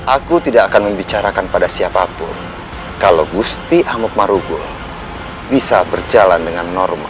aku tidak akan membicarakan pada siapapun kalau gusti amuk maruku bisa berjalan dengan normal